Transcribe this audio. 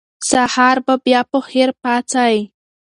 سهار به په خیر پاڅئ.